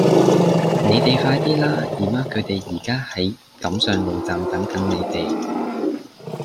你哋快啲啦!姨媽佢哋而家喺錦上路站等緊你哋